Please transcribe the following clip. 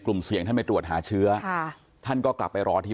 กลุ่มเสี่ยงท่านไปตรวจหาเชื้อค่ะท่านก็กลับไปรอที่